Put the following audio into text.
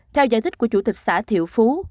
theo giải thích của chủ tịch xã thiệu phú